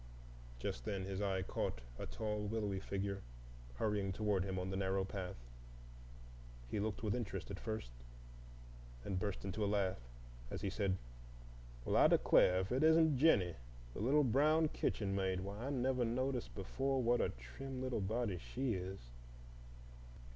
Just then his eye caught a tall, willowy figure hurrying toward him on the narrow path. He looked with interest at first, and then burst into a laugh as he said, "Well, I declare, if it isn't Jennie, the little brown kitchen maid! Why, I never noticed before what a trim little body she is.